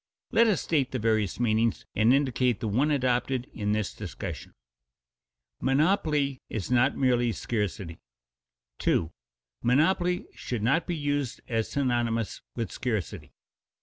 Let us state the various meanings and indicate the one adopted in this discussion. [Sidenote: Monopoly is not merely scarcity] 2. _Monopoly should not be used as synonymous with scarcity.